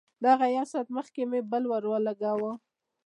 دغه يو ساعت مخکې مې بل ورولګاوه.